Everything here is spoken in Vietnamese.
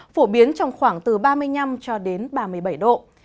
phổ biến trong khoảng từ ba mươi năm cho đến ba mươi bảy độ